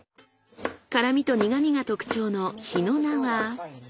辛みと苦みが特徴の日野菜は。